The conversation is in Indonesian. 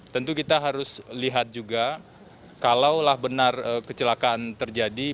tentu kita harus lihat juga kalaulah benar kecelakaan terjadi